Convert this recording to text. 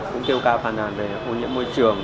cũng kêu ca phàn nàn về hô nhiễm môi trường